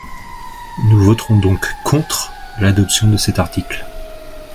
Nous voterons donc contre l’adoption de cet article.